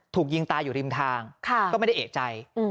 ถูกยิงตายอยู่ริมทางก็ไม่ได้เอกใจ